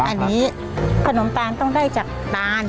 อันนี้ขนมตาลต้องได้จากตาน